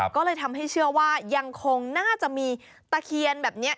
ก็เลยทำให้เชื่อว่ายังคงน่าจะมีตะเคียนแบบนี้